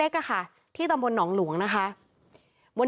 ขอบคุณครับ